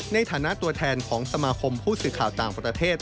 ในฐานะตัวแทนของสมาคมผู้สื่อข่าวต่างประเทศ